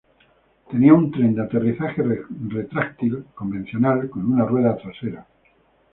Tenía un tren de aterrizaje retráctil convencional con una rueda trasera.